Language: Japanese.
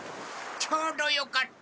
ちょうどよかった。